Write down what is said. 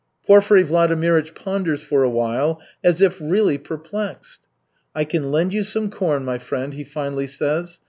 Porfiry Vladimirych ponders for a while, as if really perplexed. "I can lend you some corn, my friend," he finally says.